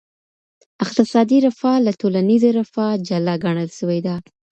اقتصادي رفاه له ټولنیزې رفاه جلا ګڼل سوي ده.